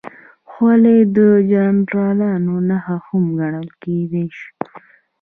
خولۍ د جنرالانو نښه هم ګڼل شوې.